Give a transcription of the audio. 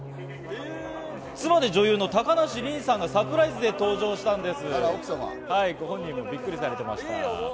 妻で女優の高梨臨さんがサプライズで登場したんです。